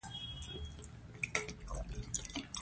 د موټر دروازې باید سالمې وي.